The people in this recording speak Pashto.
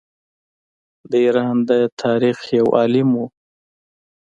د ایران د تاریخ یو عالم وو.